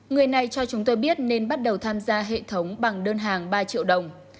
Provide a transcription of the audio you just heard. người này cho chúng tôi biết nên bắt đầu tham gia hệ thống bằng đơn hàng ba triệu đồng